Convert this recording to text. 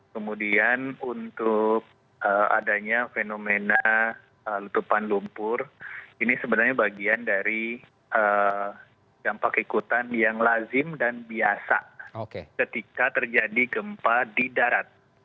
kemudian untuk adanya fenomena lutupan lumpur ini sebenarnya bagian dari dampak ikutan yang lazim dan biasa ketika terjadi gempa di darat